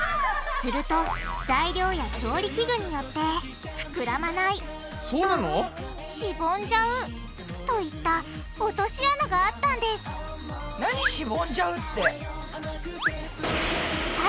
すると材料や調理器具によってふくらまないしぼんじゃうといった落とし穴があったんですなにしぼんじゃうって！